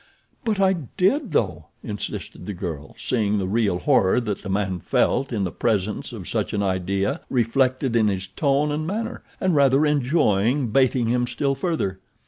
"But I did, though," insisted the girl, seeing the real horror that the man felt in the presence of such an idea reflected in his tone and manner, and rather enjoying baiting him still further.